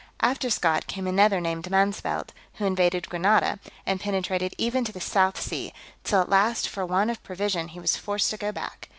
After Scot came another named Mansvelt, who invaded Granada, and penetrated even to the South Sea; till at last, for want of provision, he was forced to go back.